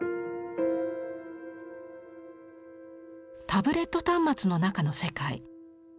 タブレット端末の中の世界。